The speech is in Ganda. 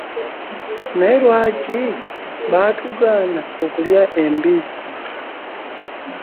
Naye lwaki baatugaana okulya embizzi?